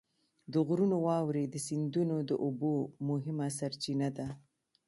د غرونو واورې د سیندونو د اوبو مهمه سرچینه ده.